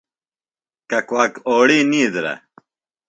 ککواک اوڑی نِیدرہ۔